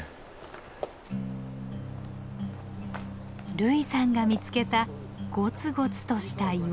類さんが見つけたゴツゴツとした岩。